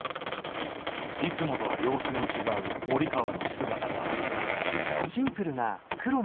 いつもとは様子の違う森川の姿があった。